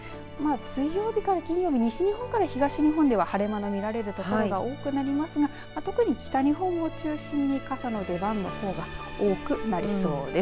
水曜日から金曜日、西日本から東日本では晴れ間の見られるところが多くなりますが特に北日本を中心に傘の出番の方が多くなりそうです。